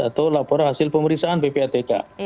atau laporan hasil pemeriksaan ppatk